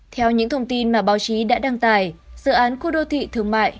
theo những thông tin mà báo chí đã đăng tải dự án khu đô thị thương mại